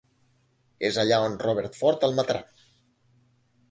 És allà on Robert Ford el matarà.